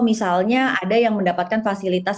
misalnya ada yang mendapatkan fasilitas